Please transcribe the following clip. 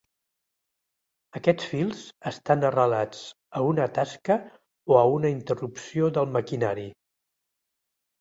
Aquests fils estan arrelats a una tasca o a una interrupció del maquinari.